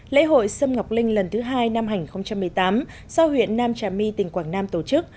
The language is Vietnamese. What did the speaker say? lễ hội sâm ngọc linh lần thứ hai năm hai nghìn một mươi tám do huyện nam trà my tỉnh quảng nam tổ chức